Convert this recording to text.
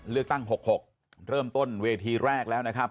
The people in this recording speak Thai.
เลือกตั้ง๖๖เริ่มต้นเวทีแรกแล้วนะครับ